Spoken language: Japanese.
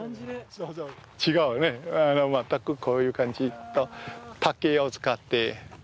違うよね、全くこういう感じと竹を使って。